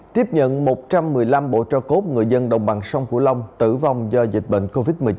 tiếp nhận một trăm một mươi năm bộ cho cốt người dân đồng bằng sông cửu long tử vong do dịch bệnh covid một mươi chín